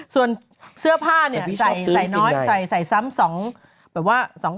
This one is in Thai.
ส่วนเสื้อผ้าเนี่ยใส่เท่าทรีย์สอง